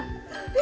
え！